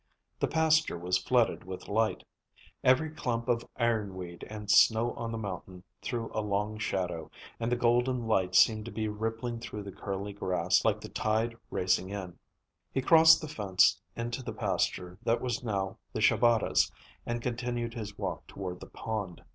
The pasture was flooded with light; every clump of ironweed and snow on the mountain threw a long shadow, and the golden light seemed to be rippling through the curly grass like the tide racing in. He crossed the fence into the pasture that was now the Shabatas' and continued his walk toward the pond.